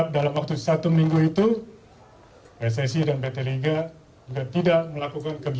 sejumlah kasus terupa sebelumnya terjadi